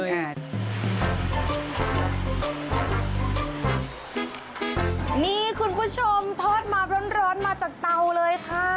นี่คุณผู้ชมทอดมาร้อนมาจากเตาเลยค่ะ